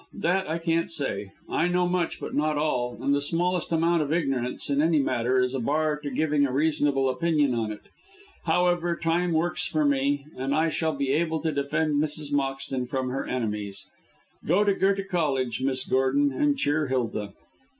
that I can't say. I know much, but not all; and the smallest amount of ignorance in any matter is a bar to giving a reasonable opinion on it. However, Time works for me, and I shall be able to defend Mrs. Moxton from her enemies. Go to Goethe Cottage, Miss Gordon, and cheer Hilda."